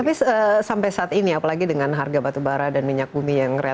tapi sampai saat ini apalagi dengan harga batubara dan minyak bumi yang relatif